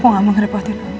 aku gak mau ngerepotin